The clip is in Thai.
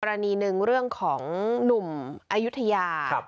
รณีหนึ่งเรื่องของหนุ่มอายุทยา